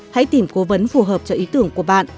hãy tìm cố vấn phù hợp cho ý tưởng của bạn